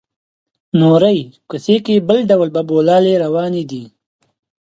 نورې کوڅې کې بل ډول بابولالې روانې دي.